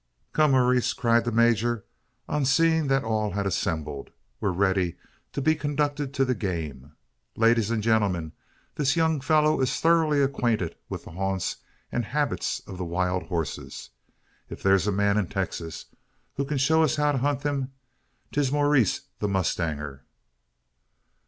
"Come, Maurice!" cried the major, on seeing that all had assembled, "we're ready to be conducted to the game. Ladies and gentlemen! this young fellow is thoroughly acquainted with the haunts and habits of the wild horses. If there's a man in Texas, who can show us how to hunt them, 'tis Maurice the mustanger."